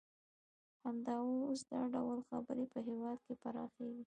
همدا اوس دا ډول خبرې په هېواد کې پراخیږي